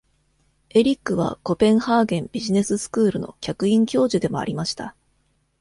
エリックはコペンハーゲンビジネススクールの客員教授でもありました。